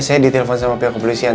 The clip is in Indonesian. saya ditelepon sama pihak kepolisian